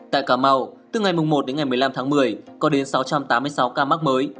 tại cà mau từ ngày một đến ngày một mươi năm tháng một mươi có đến sáu trăm tám mươi sáu ca mắc mới